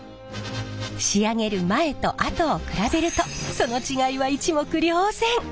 仕上げる前と後を比べるとその違いは一目瞭然！